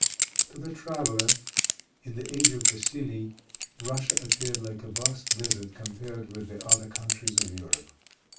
To the traveler, in the age of Vassili, Russia appeared like a vast desert compared with the other countries of Europe.